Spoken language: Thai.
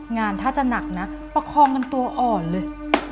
งานถ้าจะหนักนะประคองกันตัวอ่อนเลย